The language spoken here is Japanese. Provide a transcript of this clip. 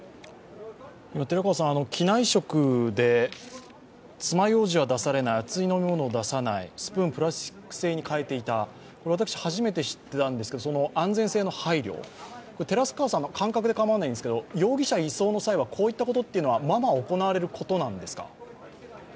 機内食でつまようじは出されない、熱いものは出さない、スプーンをプラスチック製にかえていた、私、初めて知ったんですが安全性の配慮、寺川さんの感覚で構わないんですが、容疑者移送の際はこのようなことはまま行われることなんですか？